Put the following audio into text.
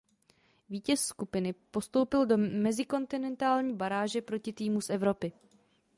Vítěz skupiny postoupil do mezikontinentální baráže proti týmu z Evropy.